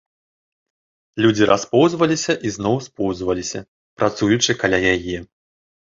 Людзі распоўзваліся і зноў споўзваліся, працуючы каля яе.